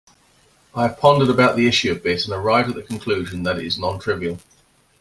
I have pondered about the issue a bit and arrived at the conclusion that it is non-trivial.